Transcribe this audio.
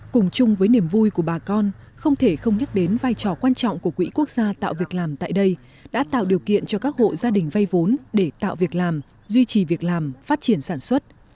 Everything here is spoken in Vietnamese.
cùng chung với niềm vui của bà con không thể không nhắc đến vai trò quan trọng của quỹ quốc gia tạo việc làm tại đây đã tạo điều kiện cho các hộ gia đình vay vốn để tạo việc làm duy trì việc làm phát triển sản xuất